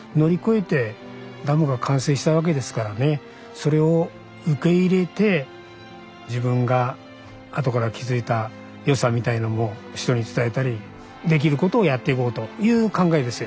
それを受け入れて自分が後から気付いた良さみたいのも人に伝えたりできることをやっていこうという考えですよ。